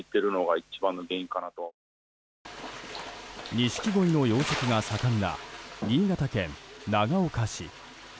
ニシキゴイの養殖が盛んな新潟県長岡市。